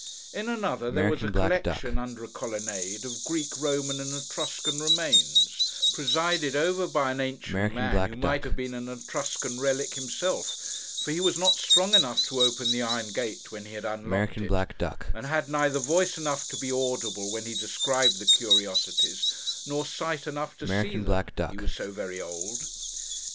In another there was a collection, under a colonnade, of Greek, Roman, and Etruscan remains, presided over by an ancient man who might have been an Etruscan relic himself; for he was not strong enough to open the iron gate, when he had unlocked it, and had neither voice enough to be audible when he described the curiosities, nor sight enough to see them: he was so very old.